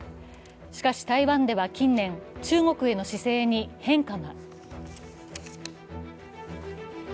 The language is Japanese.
しかし、台湾では近年、中国への姿勢に変化が。